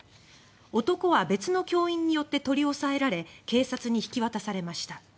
男は別の教員によって取り押さえられ警察に引き渡されました。